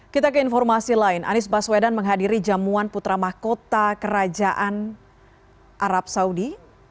kita ke informasi lain anis baswedan menghadiri jamuan putramah kota kerajaan arab saudi